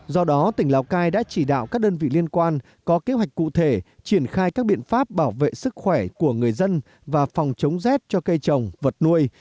do đó tỉnh lào cai đã chỉ đạo các đơn vị liên quan có kế hoạch cụ thể triển khai các biện pháp bảo vệ sức khỏe của người dân và phòng chống rét cho cây trồng vật nuôi